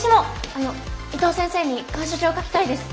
あの伊藤先生に感謝状書きたいです。